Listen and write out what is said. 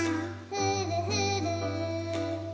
ふるふる。